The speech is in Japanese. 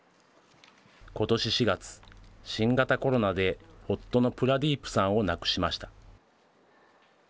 ことし４月、新型コロナで夫のプラディープさんを亡くしました。